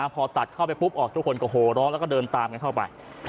พอตัดเข้าไปทุกคนก็โหร้แล้วเดินตามเข้าไป